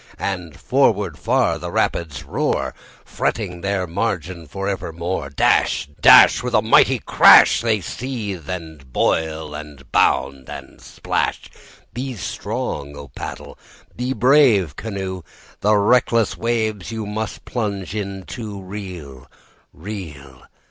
And forward far the rapids roar, Fretting their margin for evermore. Dash, dash, With a mighty crash, They seethe, and boil, and bound, and splash. Be strong, O paddle! be brave, canoe! The reckless waves you must plunge into. Reel, reel.